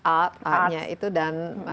art artnya itu dan